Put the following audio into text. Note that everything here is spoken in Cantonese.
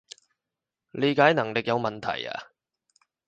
理解能力有問題呀？